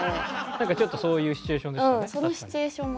なんかちょっとそういうシチュエーションでしたね。